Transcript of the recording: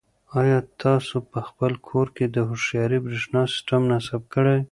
آیا تاسو په خپل کور کې د هوښیارې برېښنا سیسټم نصب کړی؟